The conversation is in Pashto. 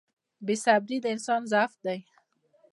• بې صبري د انسان ضعف دی.